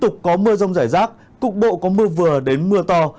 có mưa rong giải rác cục bộ có mưa vừa đến mưa to